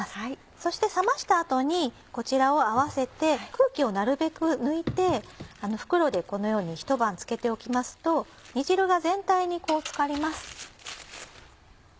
そして冷ました後にこちらを合わせて空気をなるべく抜いて袋でこのようにひと晩漬けておきますと煮汁が全体に漬かります。